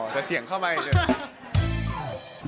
แต่เสียงเข้าใหม่อีกเพิ่ง